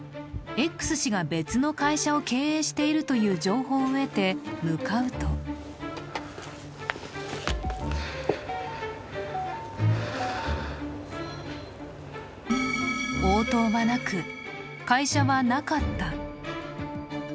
Ｘ氏が別の会社を経営しているという情報を得て向かうと応答はなく、会社はなかった。